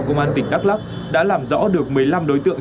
công an tỉnh đắk lắc đã làm rõ được một mươi năm đối tượng